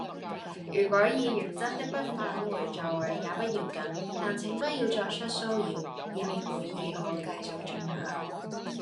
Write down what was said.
如果議員真的不返回座位，也不要緊，但請不要作出騷擾，以便會議可繼續進行。